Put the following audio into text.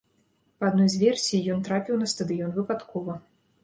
Па адной з версій, ён трапіў на стадыён выпадкова.